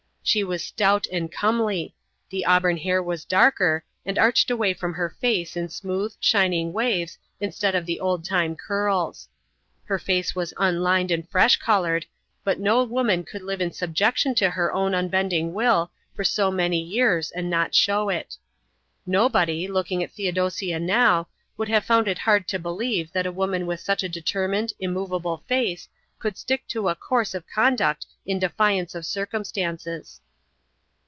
She was stout and comely; the auburn hair was darker and arched away from her face in smooth, shining waves instead of the old time curls. Her face was unlined and fresh coloured, but no woman could live in subjection to her own unbending will for so many years and not show it. Nobody, looking at Theodosia now, would have found it hard to believe that a woman with such a determined, immoveable face could stick to a course of conduct in defiance of circumstances.